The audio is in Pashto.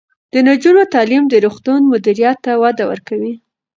د نجونو تعلیم د روغتون مدیریت ته وده ورکوي.